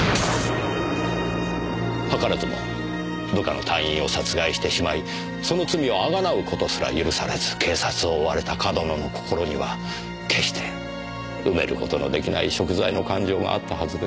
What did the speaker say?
図らずも部下の隊員を殺害してしまいその罪をあがなう事すら許されず警察を追われた上遠野の心には決して埋める事の出来ない贖罪の感情があったはずです。